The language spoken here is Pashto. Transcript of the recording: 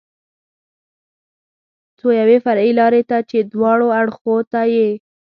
څو یوې فرعي لارې ته چې دواړو اړخو ته یې.